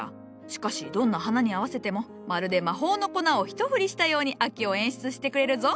しかしどんな花に合わせてもまるで魔法の粉をひと振りしたように秋を演出してくれるぞ。